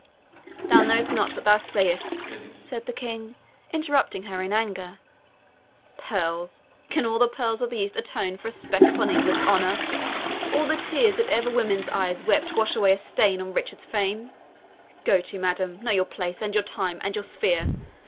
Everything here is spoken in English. "Thou knowest not what thou sayest," said the King, interrupting her in anger. "Pearls! can all the pearls of the East atone for a speck upon England's honour all the tears that ever woman's eye wept wash away a stain on Richard's fame? Go to, madam, know your place, and your time, and your sphere.